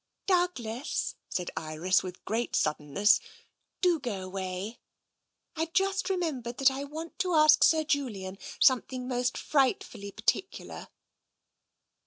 " Douglas," said Iris, with great suddenness, " do go away. I've just remembered that I want to ask Sir Julian something most frightfully particular."